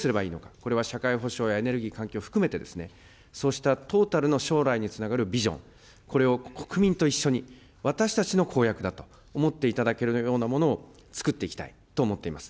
これは社会保障やエネルギー、環境、含めてですね、そうしたトータルの将来につながるビジョン、これを国民と一緒に、私たちの公約だと思っていただけるようなものをつくっていきたいと思っています。